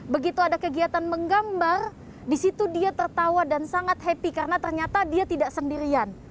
begitu ada kegiatan menggambar di situ dia tertawa dan sangat happy karena ternyata dia tidak sendirian